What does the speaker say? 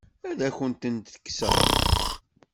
Ad akent-tent-kkseɣ?